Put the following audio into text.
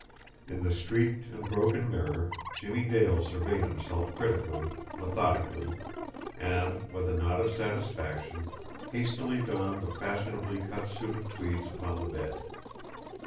In the streaked and broken mirror Jimmie Dale surveyed himself critically, methodically, and, with a nod of satisfaction, hastily donned the fashionably cut suit of tweeds upon the bed.